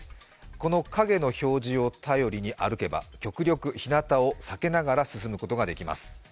この影の表示を頼りに歩けば、極力、ひなたを避けながら進むことができます。